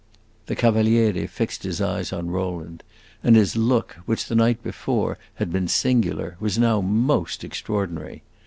The Cavaliere fixed his eyes on Rowland, and his look, which the night before had been singular, was now most extraordinary.